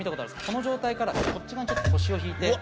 この状態からこっち側に腰を引いて。